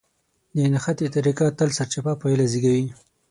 د نښتې طريقه تل سرچپه پايله زېږوي.